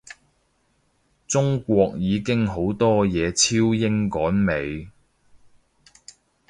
中國已經好多嘢超英趕美